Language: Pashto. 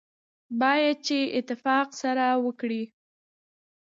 باید چې اتفاق سره وکړي.